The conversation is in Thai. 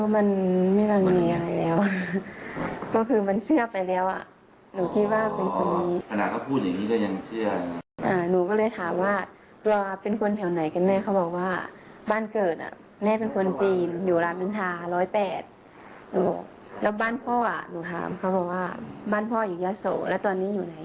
แม่เป็นคนจีนอยู่รามินทา๑๐๘แล้วบ้านพ่ออ่ะบ้านพ่ออยู่ยาโสแล้วตอนนี้อยู่ไหน